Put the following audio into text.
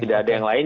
tidak ada yang lain